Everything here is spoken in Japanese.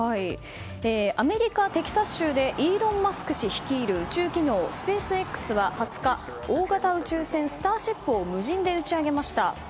アメリカ・テキサス州でイーロン・マスク氏率いる宇宙企業スペースＸは２０日大型宇宙船「スターシップ」を無人で打ち上げました。